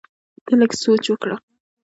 ته لږ سوچ وکړه!